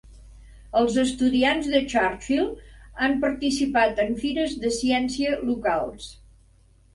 Els estudiants de Churchill han participat en fires de ciència locals.